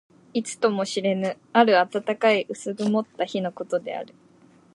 いつとも知れぬ、ある暖かい薄曇った日のことである。